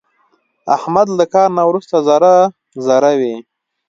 احمد له کار نه ورسته ذره ذره وي.